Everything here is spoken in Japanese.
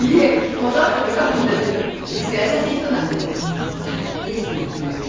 断ってもよかったんですけどね優しい人なんで「イエス」って言ってくれて。